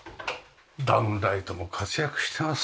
ダウンライトも活躍してます。